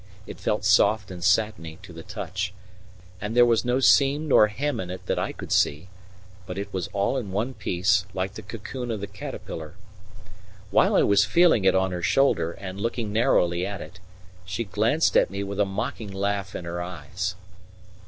It felt soft and satiny to the touch, and there was no seam nor hem in it that I could see, but it was all in one piece, like the cocoon of the caterpillar. While I was feeling it on her shoulder and looking narrowly at it, she glanced at me with a mocking laugh in her eyes.